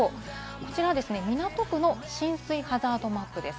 こちら港区の浸水ハザードマップです。